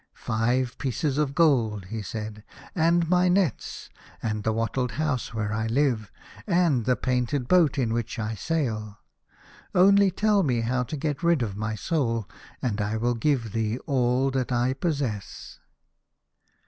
"Five pieces of gold," he said, "and my nets, and the wattled house where I live, and the painted boat in which I sail. Only tell 75 A House of Pomegranates. me how to get rid of my soul, and I will give thee all that I possess."